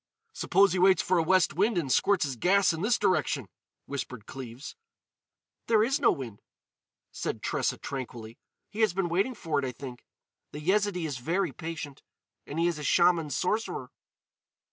"Suppose he waits for a west wind and squirts his gas in this direction?" whispered Cleves. "There is no wind," said Tressa tranquilly. "He has been waiting for it, I think. The Yezidee is very patient. And he is a Shaman sorcerer."